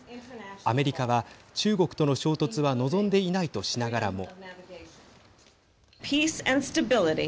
アメリカは、中国との衝突は望んでいないとしながらも。